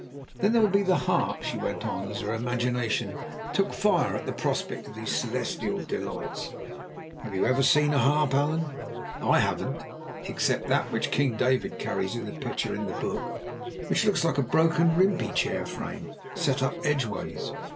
Then there will be the harp," she went on as her imagination took fire at the prospect of these celestial delights. "Have you ever seen a harp, Allan? I haven't except that which King David carries in the picture in the Book, which looks like a broken rimpi chair frame set up edgeways.